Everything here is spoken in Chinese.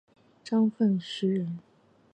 张凤翙人。